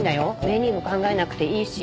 メニューも考えなくていいし。